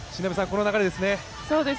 この流れですね。